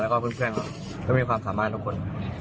แล้วก็เพื่อนก็มีความสามารถทุกคน